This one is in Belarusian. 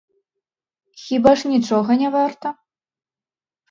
Хіба ж нічога не варта?